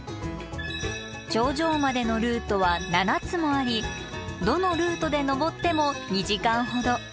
頂上までのルートは７つもありどのルートで登っても２時間ほど。